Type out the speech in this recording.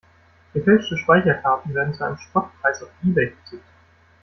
Gefälschte Speicherkarten werden zu einem Spottpreis bei Ebay vertickt.